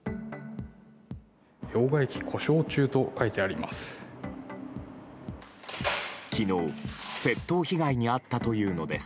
両替機故障中と書いてあります。